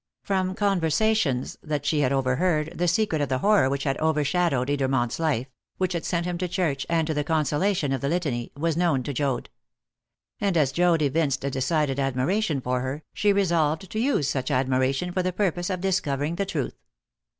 From conversations which she had overheard, Dora was satisfied that the secret of the horror which had overshadowed Edermont's life which had sent him to church and to the consolation of the Litany was known to Joad. And as Joad evinced a decided admiration for her, she resolved to use such admiration for the purpose of discovering the truth.